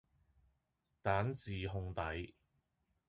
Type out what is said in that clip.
蛋治烘底